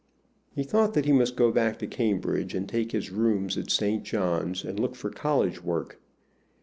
He thought that he must go back to Cambridge and take his rooms at St. John's and look for college work.